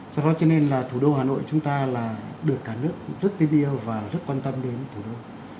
sau đó cho nên là thủ đô hà nội chúng ta là được cả nước rất tế yêu và rất quan tâm đến thủ đô